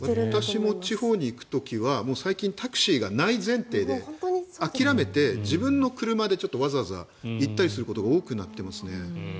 私も地方に行く時は最近タクシーがない前提で諦めて、自分の車でわざわざ行ったりすることが多くなっていますね。